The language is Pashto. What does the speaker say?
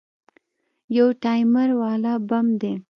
يو ټايمر والا بم دى.